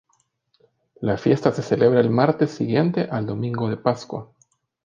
La fiesta se celebra el martes siguiente al domingo de Pascua.